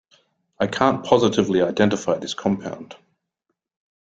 I can't positively identify this compound.